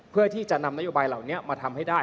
เพื่อที่จะนำนโยบายเหล่านี้มาทำให้ได้